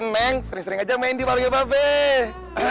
neng sering sering aja main di wabah baabeh